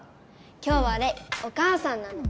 今日はレイお母さんなの。